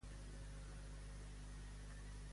Què ha dit Junqueras?